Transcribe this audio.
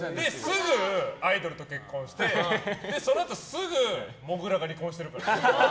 すぐアイドルと結婚してそのあと、すぐもぐらが離婚してるからね。